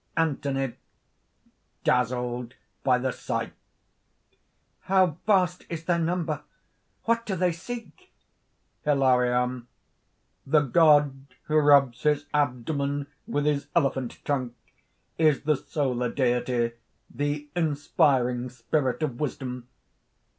_) ANTHONY (dazzled by the sight). "How vast is their number! What do they seek?" HILARION. "The god who rubs his abdomen with his elephant trunk, is the solar Deity, the inspiring spirit of wisdom.